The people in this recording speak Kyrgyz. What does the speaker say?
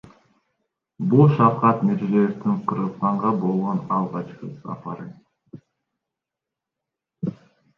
Бул Шавкат Мирзиёевдин Кыргызстанга болгон алгачкы сапары.